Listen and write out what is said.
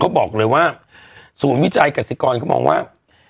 เขาบอกเลยว่าศูนย์วิจัยกษิกรเขามองว่า